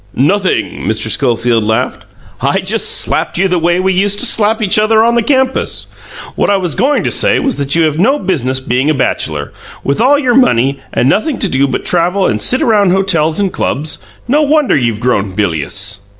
"Nothing!" Mr. Schofield laughed. "I just slapped you the way we used to slap each other on the campus. What I was going to say was that you have no business being a bachelor. With all your money, and nothing to do but travel and sit around hotels and clubs, no wonder you've grown bilious."